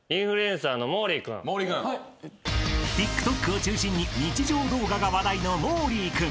［ＴｉｋＴｏｋを中心に日常動画が話題のもーりー君。